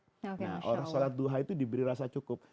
nah orang sholat duha itu diberi rasa cukup